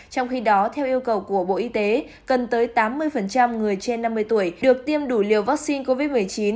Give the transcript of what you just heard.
trong khi đó theo yêu cầu của bộ y tế cần tới tám mươi người trên năm mươi tuổi được tiêm đủ liều vaccine covid một mươi chín